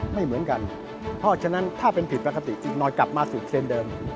ไม่เหมือนกันเพราะฉะนั้นถ้าเป็นผิดปกติอีกหน่อยกลับมาสู่เทรนด์เดิม